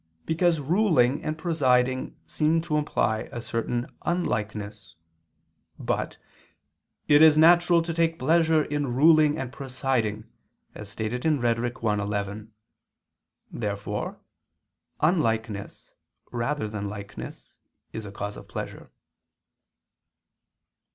Because ruling and presiding seem to imply a certain unlikeness. But "it is natural to take pleasure in ruling and presiding," as stated in Rhetor. i, 11. Therefore unlikeness, rather than likeness, is a cause of pleasure.